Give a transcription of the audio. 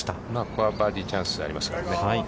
ここはバーディーチャンスがありますからね。